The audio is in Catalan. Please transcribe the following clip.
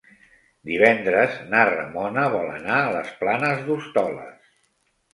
Divendres na Ramona vol anar a les Planes d'Hostoles.